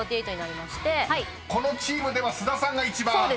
［このチームでは須田さんが一番］